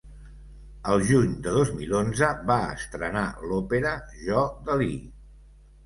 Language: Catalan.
El juny de dos mil onze va estrenar l’òpera ‘Jo, Dalí’.